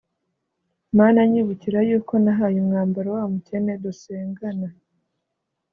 Mana nyibukira yuko nahaye umwambaro wa mukene dusengana